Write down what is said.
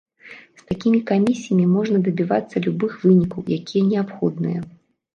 З такімі камісіямі можна дабівацца любых вынікаў, якія неабходныя.